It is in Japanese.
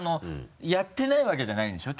やってないわけじゃないんでしょ？